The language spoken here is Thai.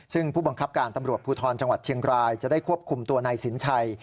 ซึ่งผู้บังคับการตำรวจภูทรจังหวัดเชียงรายจะได้ควบคุมตัวนายสินชัย